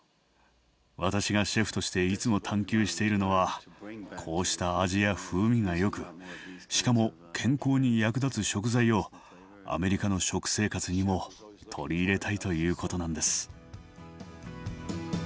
私がシェフとしていつも探求しているのはこうした味や風味がよくしかも健康に役立つ食材をアメリカの食生活にも取り入れたいということなんです。